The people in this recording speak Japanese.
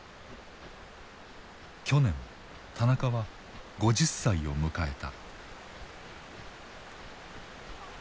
去年田中は５０歳を迎えた。